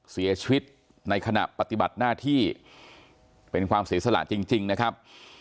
เสียชีวิตในขณะปฏิบัติหน้าที่เป็นความเสียสละจริงนะครับ